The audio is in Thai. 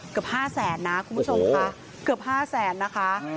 เกือบ๕แสนนะคุณผู้ชมค่ะเกือบ๕แสนนะคะ